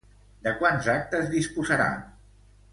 De quants actes disposarà?